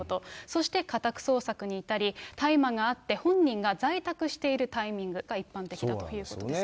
そして家宅捜索に至り、大麻があって、本人が在宅しているタイミングが一般的だということですね。